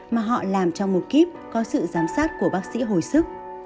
mà họ làm trong một kíp có sự giám sát của bác sĩ hồi sức